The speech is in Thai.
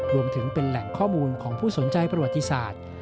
รวมถึงเป็นแหล่งข้อมูลของผู้สนใจประวัติศาสตร์